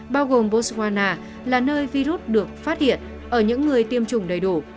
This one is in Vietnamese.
bao gồm boswana là nơi virus được phát hiện ở những người tiêm chủng đầy đủ